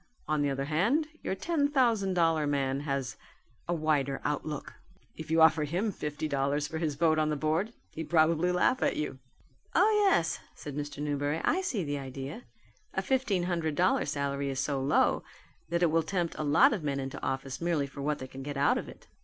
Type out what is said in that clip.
On the other hand your ten thousand dollar man has a wider outlook. If you offer him fifty dollars for his vote on the board, he'd probably laugh at you." "Ah, yes," said Mr. Newberry, "I see the idea. A fifteen hundred dollar salary is so low that it will tempt a lot of men into office merely for what they can get out of it."